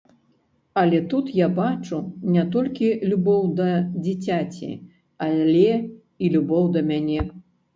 Але тут я бачу не толькі любоў да дзіцяці, але і любоў да мяне.